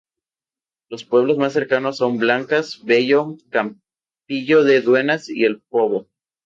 Los pueblos más cercanos son Blancas, Bello, Campillo de Dueñas y El Pobo.